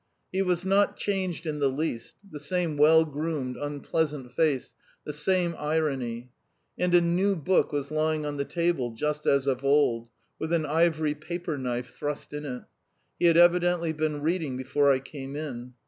He was not changed in the least: the same well groomed, unpleasant face, the same irony. And a new book was lying on the table just as of old, with an ivory paper knife thrust in it. He had evidently been reading before I came in.